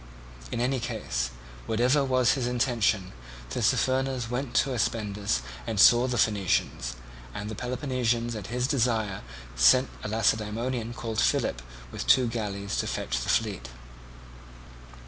In any case, whatever was his intention, Tissaphernes went to Aspendus and saw the Phoenicians; and the Peloponnesians at his desire sent a Lacedaemonian called Philip with two galleys to fetch the fleet.